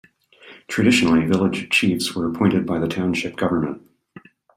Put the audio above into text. Traditionally, village chiefs were appointed by the township government.